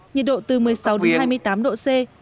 nhiệt độ từ một mươi sáu đến hai mươi tám độ c